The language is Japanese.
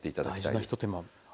大事な一手間。